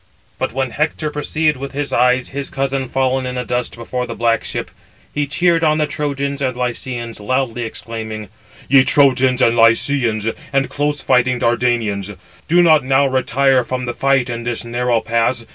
But when Hector perceived with his eyes his cousin fallen in the dust before the black ship, he cheered on the Trojans and Lycians, loudly exclaiming: "Ye Trojans and Lycians, and close fighting Dardanians, do not now retire from the fight in this narrow pass.